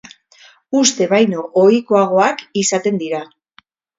Uste baino ohikoagoak izaten dira.